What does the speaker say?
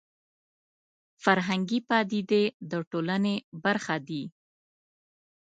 فرهنګي پدیدې د ټولنې برخه دي